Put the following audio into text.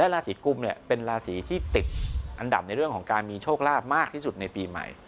ราศีกุมเนี่ยเป็นราศีที่ติดอันดับในเรื่องของการมีโชคลาภมากที่สุดในปีใหม่